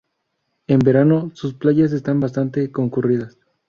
En verano sus playas están bastante concurridas.